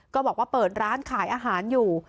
บอกว่าเปิดร้านขายอาหารอยู่